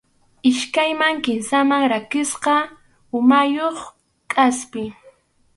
Iskayman kimsaman rakisqa umayuq kʼaspi.